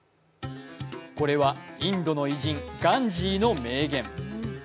これはインドの偉人・ガンジーの名言。